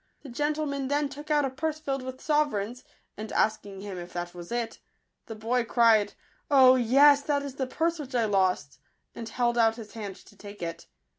The gentleman then took out a purse filled with sovereigns ; and asking him if that was it, the boy cried, " Oh, yes, that is the purse which I lost," and held out his hand to take it.